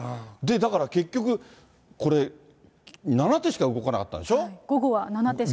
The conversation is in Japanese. だから結局、これ、７手しか動かなかったんでしょ。